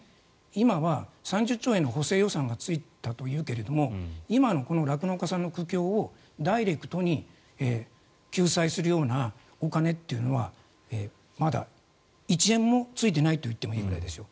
今は３０兆円の補正予算がついたというけども今の酪農家さんの苦境をダイレクトに救済するようなお金というのはまだ１円もついてないと言ってもいいくらいですよ。